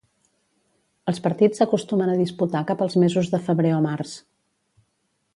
Els partits s'acostumen a disputar cap als mesos de febrer o març.